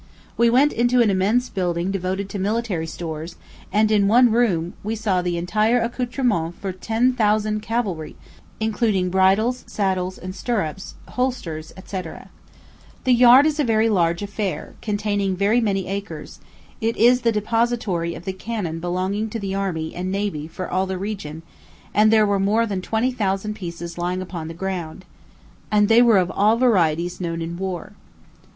We went into an immense building devoted to military stores, and in one room we saw the entire accoutrements for ten thousand cavalry, including bridles, saddles, and stirrups, holsters, &c. The yard is a very large affair, containing very many acres; it is the depository of the cannon belonging to the army and navy for all the region, and there were more than twenty thousand pieces lying upon the ground. Some were very large, and they were of all varieties known in war.